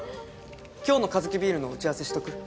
今日のカヅキビールの打ち合わせしとく？